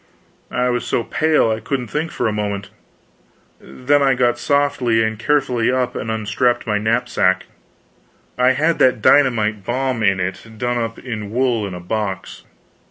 I was so pale I couldn't think for a moment; then I got softly and carefully up and unstrapped my knapsack. I had that dynamite bomb in it, done up in wool in a box.